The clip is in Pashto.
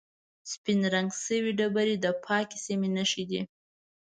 سپینې رنګ شوې ډبرې د پاکې سیمې نښې دي.